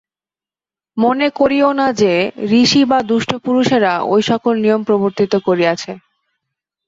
মনে করিও না যে, ঋষি বা দুষ্ট পুরুষেরা ঐ সকল নিয়ম প্রবর্তিত করিয়াছে।